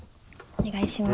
お願いします。